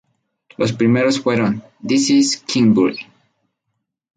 Los primeros fueron "This is Kingsbury?